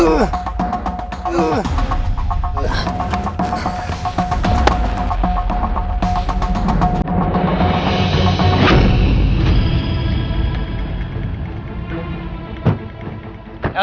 satu dua tiga